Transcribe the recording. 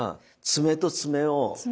爪と爪を。